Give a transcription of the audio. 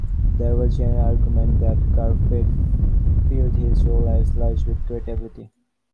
There was general agreement that Kerferd filled his role as judge with great ability.